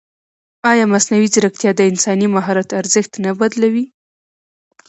ایا مصنوعي ځیرکتیا د انساني مهارت ارزښت نه بدلوي؟